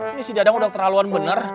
ini si dadang udah keterlaluan bener